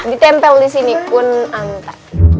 nanti ditempel disini kunanta